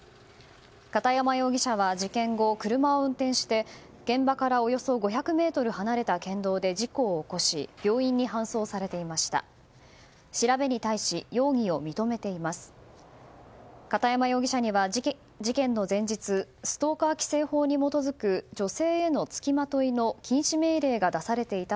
片山容疑者は事件後、車を運転して現場からおよそ５００ｍ離れた県道で事故を起こし病院に搬送されていました。